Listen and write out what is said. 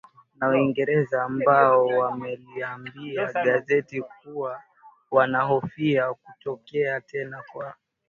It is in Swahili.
na Uingereza ambao wameliambia gazeti kuwa wanahofia kutokea tena kwa